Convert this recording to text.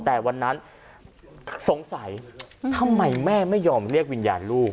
แต่วันนั้นสงสัยทำไมแม่ไม่ยอมเรียกวิญญาณลูก